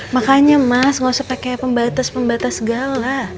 makanya mas gak usah pakai pembatas pembatas segala